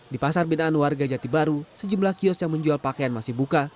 di pasar binaan warga jati baru sejumlah kios yang menjual pakaian masih buka